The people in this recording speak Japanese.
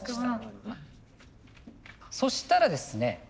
そしたらですね